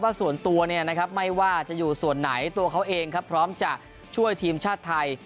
ส่วนตัวไม่ว่าจะอยู่ส่วนไหนตัวเขาเองครับพร้อมจะช่วยทีมชาติไทย